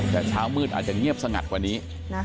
แต่เช้ามืดอาจจะเงียบสงัดกว่านี้